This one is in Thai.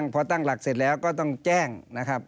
พอตั้งหลักเสร็จแล้วก็ต้องแจ้งนะครับ